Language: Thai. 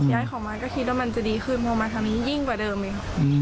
ย้ายของมาก็คิดว่ามันจะดีขึ้นเพราะมาทำอย่างยิ่งกว่าเดิมเลย